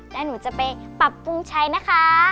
และหนูจะไปปรับภูมิใช้นะคะ